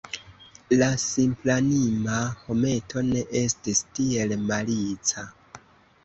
La simplanima hometo ne estis tiel malica.